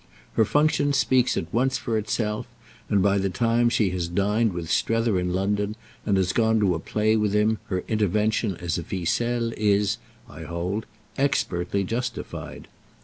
Her function speaks at once for itself, and by the time she has dined with Strether in London and gone to a play with him her intervention as a ficelle is, I hold, expertly justified.